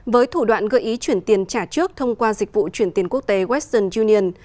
với thủ đoạn gợi ý chuyển tiền trả trước thông qua dịch vụ chuyển tiền quốc tế western union